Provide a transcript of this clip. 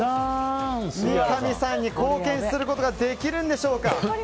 三上さんに貢献することができるんでしょうか。